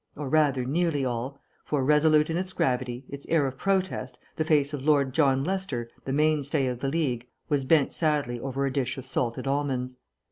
Or rather, nearly all: for, resolute in its gravity, its air of protest, the face of Lord John Lester, the mainstay of the League, was bent sadly over a dish of salted almonds.